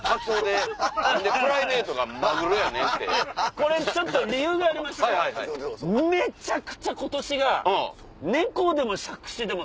これちょっと理由がありましてめちゃくちゃ。